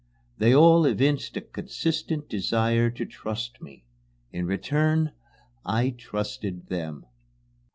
They all evinced a consistent desire to trust me. In return I trusted them.